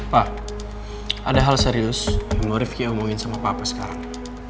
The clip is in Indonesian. pak ada hal serius yang mau rifki omongin sama papa sekarang